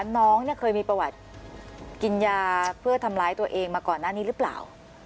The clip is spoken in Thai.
น้องเคยมีประวัติกินยาเพื่อทำร้ายตัวเองมาก่อนหน้านี้หรือเปล่า